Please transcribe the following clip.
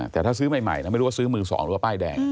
แต่ถ้าซื้อใหม่ไม่รู้ว่าซื้อมือสองหรือว่าป้ายแดง